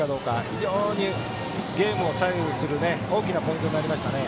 非常にゲームを左右する大きなポイントになりましたね。